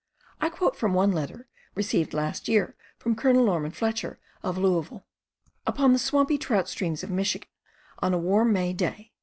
I quote from one letter, received last year from Col. Norman Fletcher of Louisville: Upon the swampy trout streams of Michigan on a warm May day